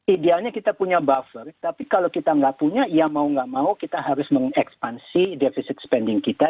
idealnya kita punya buffer tapi kalau kita nggak punya ya mau nggak mau kita harus mengekspansi deficit spending kita